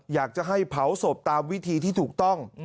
อยากจะให้เผาศพตามวิธีที่ถูกต้อง